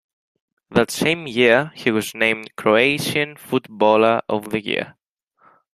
That same year he was named Croatian Footballer of the Year.